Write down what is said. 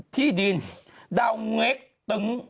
ที่ดินดาวเง็กตึ้ง